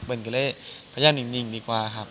ก็เลยพยายามนิ่งดีกว่าครับ